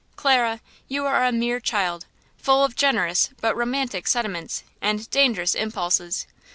Clara, you are a mere child, full of generous but romantic sentiments and dangerous impulses.